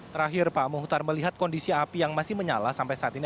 terakhir pak muhtar melihat kondisi api yang masih menyala sampai saat ini